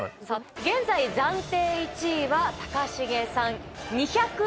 現在暫定１位は高重さん。